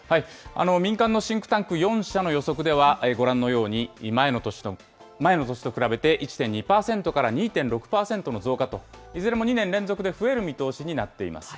民間のシンクタンク４社の予測では、ご覧のように前の年と比べて１．２％から２．６％の増加と、いずれも２年連続で増える見通しとなっています。